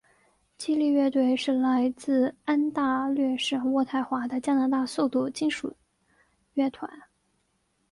激励乐团是来自安大略省渥太华的加拿大速度金属乐团。